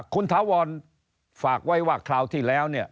คุณถาวรฝากไว้ว่าคราวที่แล้วเนี่ย